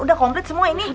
udah complete semua ini